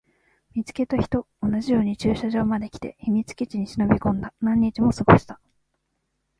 見つけた日と同じように駐車場まで来て、秘密基地に忍び込んだ。何日も過ごした。